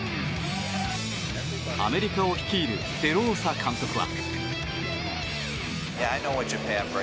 アメリカを率いるデローサ監督は。